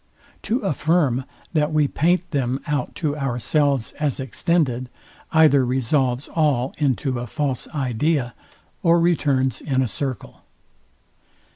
To affirm, that we paint them out to ourselves as extended, either resolves all into a false idea, or returns in a circle.